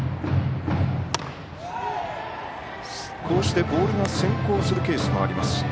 こうしてボールが先行するケースもあります。